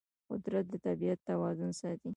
قدرت د طبیعت توازن ساتي.